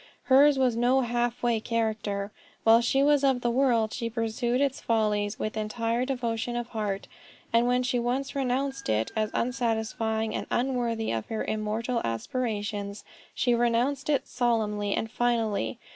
Hers was no half way character. While she was of the world, she pursued its follies with entire devotion of heart; and when she once renounced it as unsatisfying, and unworthy of her immortal aspirations, she renounced it solemnly and finally.